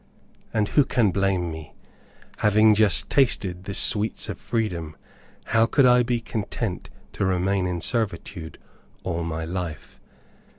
And who can blame me? Having just tasted the sweets of freedom, how could I be content to remain in servitude all my life?